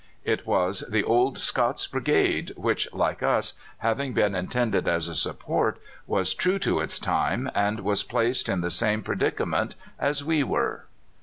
"It was the old Scots Brigade, which, like us, having been intended as a support, was true to its time, and was placed in the same predicament as we were."